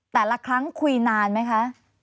แต่ละครั้งคุยนานไหมคะ